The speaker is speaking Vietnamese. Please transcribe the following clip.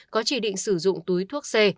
có chỉ định sử dụng túi thuốc c